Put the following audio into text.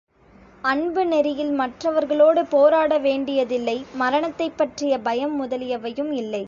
அன்பு நெறியில் மற்றவர்களோடு போராட வேண்டியதில்லை மரணத்தைப் பற்றிய பயம் முதலியவையும் இல்லை.